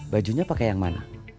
bajunya pakai yang mana